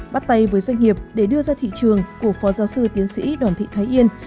bắt tay với doanh nghiệp để đưa ra thị trường của phó giáo sư tiến sĩ đoàn thị thái yên